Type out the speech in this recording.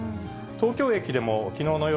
東京駅でも、きのうの夜、